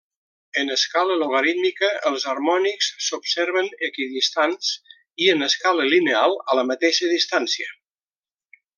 En escala logarítmica els harmònics s’observen equidistants, i en escala lineal a la mateixa distància.